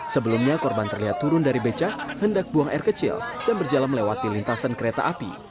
sebelumnya korban terlihat turun dari becak hendak buang air kecil dan berjalan melewati lintasan kereta api